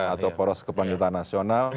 atau poros kepemilikan nasional